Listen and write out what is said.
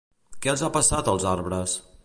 Què els ha passat als arbres?